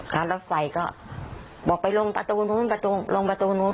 การรถไฟก็บอกไปลงประตูนู้นลงประตูนู้น